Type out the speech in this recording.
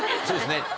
そうですね